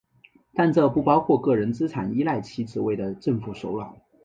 但这不包含个人资产依赖其职位的政府首脑。